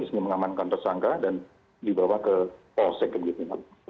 disini mengamankan tersangka dan dibawa ke polsek kebeletan